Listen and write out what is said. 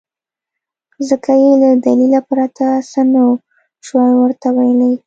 ځکه يې له دليله پرته څه نه شوای ورته ويلی.